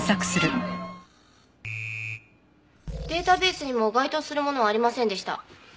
データベースにも該当するものはありませんでした。